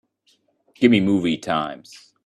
Gimme movie times.